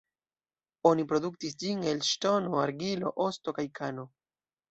Oni produktis ĝin el ŝtono, argilo, osto kaj kano.